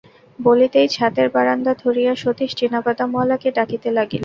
বলিতেই ছাতের বারান্দা ধরিয়া সতীশ চিনাবাদামওয়ালাকে ডাকিতে লাগিল।